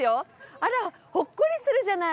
あらほっこりするじゃない。